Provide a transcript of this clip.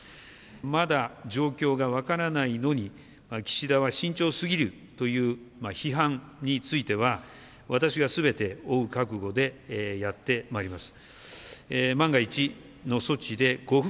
まだ状況が分からないのに、岸田は慎重すぎるという批判については、私がすべて負う覚悟でやってまいります。